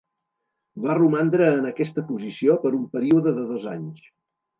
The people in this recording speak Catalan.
Va romandre en aquesta posició per un període de dos anys.